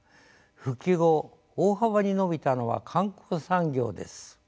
復帰後大幅に伸びたのは観光産業です。